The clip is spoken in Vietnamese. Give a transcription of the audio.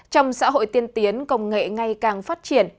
trong xã hội tiên tiến công nghệ ngày càng phát triển